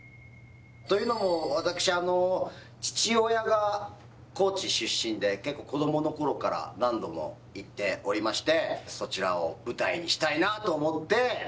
というのも、私、父親が高知出身で、結構、子どものころから何度も行っておりまして、そちらを舞台にしたいなと思って。